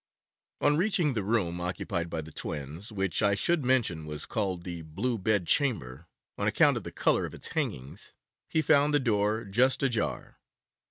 On reaching the room occupied by the twins, which I should mention was called the Blue Bed Chamber, on account of the colour of its hangings, he found the door just ajar.